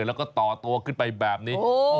แล้วก็ต่อตัวขึ้นไปแบบนี้